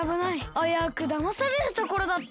あやうくだまされるところだった。